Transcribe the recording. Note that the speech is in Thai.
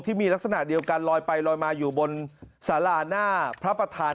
ที่มีลักษณะเดียวกันลอยไปลอยมาอยู่บนสาราหน้าพระประธาน